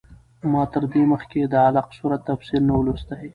ما تر دې مخکې د علق سورت تفسیر نه و لوستی.